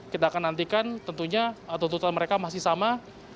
kita akan nantikan tentunya tuntutan mereka masih sama